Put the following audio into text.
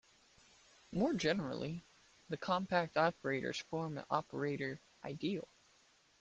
More generally, the compact operators form an operator ideal.